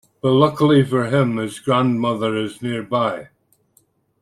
But luckily for him his grandmother is nearby.